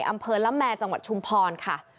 อำเภอละแมจังหวัดชุมพรค่ะ